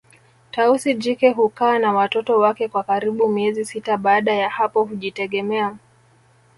Tausi jike hukaa na watoto wake kwa karibu miezi sita baada ya hapo hujitegemea